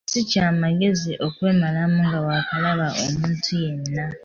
Si kya magezi kwemalamu nga waakalaba omuntu yenna.